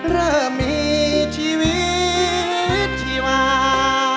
เริ่มมีชีวิตชีวา